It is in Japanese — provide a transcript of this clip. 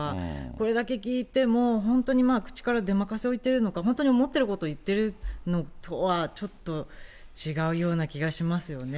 これだけ聞いても、本当に口から出まかせを言ってるのか、本当に思ってること言ってるとは、ちょっと違うような気がしますよね。